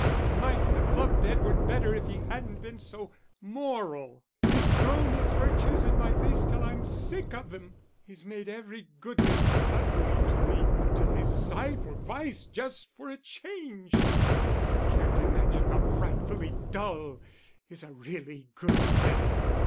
I might have loved Edward better if he hadn't been so moral. He's thrown his virtues in my face till I'm sick of them. He's made every goodness ugly to me, till I sigh for vice just for a change. Oh, you can't imagine how frightfully dull is a really good man.